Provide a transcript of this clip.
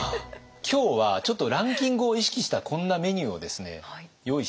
今日はちょっとランキングを意識したこんなメニューを用意してみました。